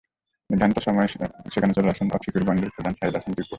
নির্ধারিত সময়ে সেখানে চলে আসেন অবসকিওর ব্যান্ডের প্রধান সাঈদ হাসান টিপু।